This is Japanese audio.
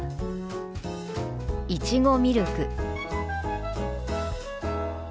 「いちごミルク」。